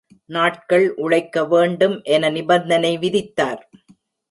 நாட்கள் உழைக்க வேண்டும் என நிபந்தனை விதித்தார்.